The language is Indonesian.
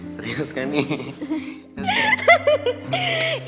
serius kan nih